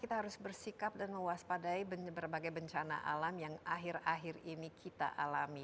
kita harus bersikap dan mewaspadai berbagai bencana alam yang akhir akhir ini kita alami